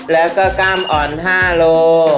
แล้วก็กล้ามอ่อน๕โล